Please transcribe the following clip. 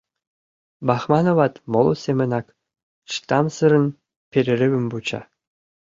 Бахмановат моло семынак чытамсырын перерывым вуча.